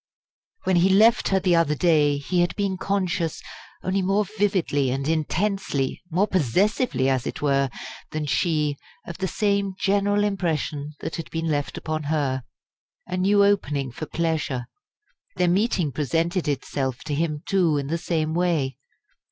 When he left her the other day he had been conscious, only more vividly and intensely, more possessively as it were, than she, of the same general impression that had been left upon her. A new opening for pleasure their meeting presented itself to him, too, in the same way.